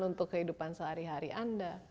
untuk kehidupan sehari hari anda